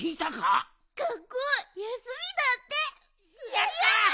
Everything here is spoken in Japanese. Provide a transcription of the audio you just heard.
やった！